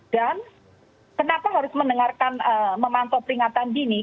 dan kenapa harus mendengarkan memantau peringatan dini